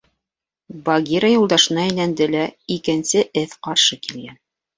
— Багира юлдашына әйләнде лә, — икенсе эҙ ҡаршы килгән.